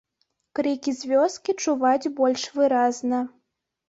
Крыкі з вёскі чуваць больш выразна.